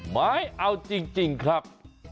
ไม่เอาจริงครับ